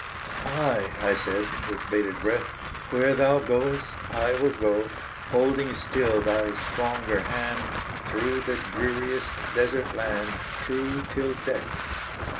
"Aye," I said, with bated breath, "Where thou goest, I will go; Holding still thy stronger hand, Through the dreariest desert land, True, till death."